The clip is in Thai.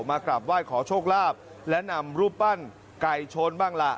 มากราบไหว้ขอโชคลาภและนำรูปปั้นไก่ชนบ้างล่ะ